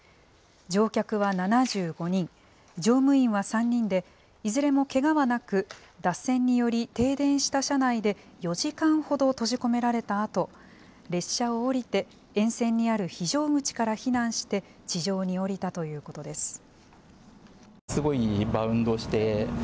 乗客は７５人、乗務員は３人で、いずれもけがはなく、脱線により停電した車内で４時間ほど閉じ込められたあと、列車を降りて沿線にある非常口から避難して、地上に降りたということです。